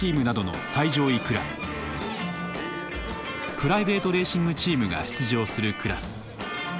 プライベートレーシングチームが出場するクラス。